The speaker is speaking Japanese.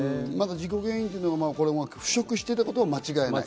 事故原因、腐食してたことは間違いない。